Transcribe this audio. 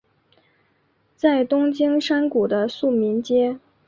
在东京山谷的宿民街。